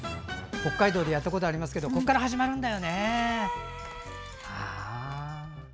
北海道でやったことありますがここから始まるんだよね。